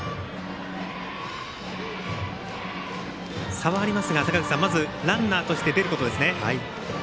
差はありますが、坂口さんランナーとして出ることですね。